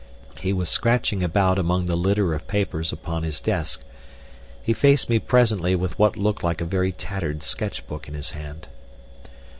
He was scratching about among the litter of papers upon his desk. He faced me presently with what looked like a very tattered sketch book in his hand.